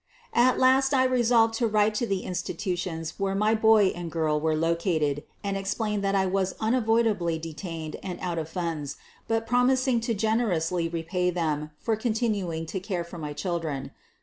At last I resolved to write to the institutions where my boy and girl were located and explain that I 20 SOPHIE LYONS was unavoidably detained and out of funds, but promising to generously repay them for continuing to care for my children.